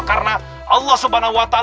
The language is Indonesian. karena allah swt